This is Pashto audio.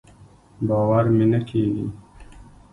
باور مې نۀ کېږي.